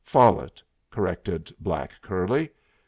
"Follet," corrected black curly.